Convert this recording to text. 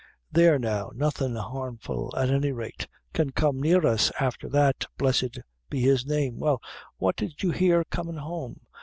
"There, now, nothin' harmful, at any rate, can come near us afther that, blessed be his name. Well, what did you hear comin' home?